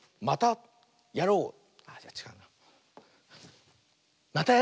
「またやろう！」。